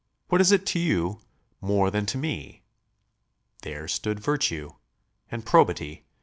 What is it to you more than to me? There stood Virtue ... and Probity